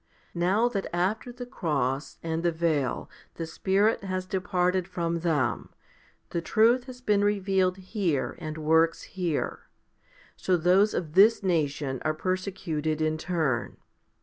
Now that after the cross and the veil the Spirit has departed from them, the truth has been revealed here and works here. So those of this nation are persecuted in turn.